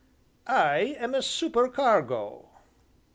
"I am a supercargo."